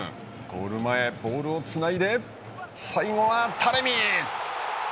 ゴール前、ボールをつないで最後はタレミ！